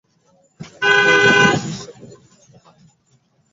কিন্তু এটার কী চিকিৎসা করাবে ঠিক বুঝতে পারছে না।